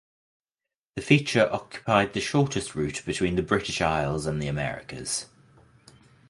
The feature occupied the shortest route between the British Isles and the Americas.